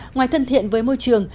ngoài thân thiện với môi trường